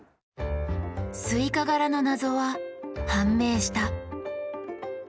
スイカ柄の謎は判明した。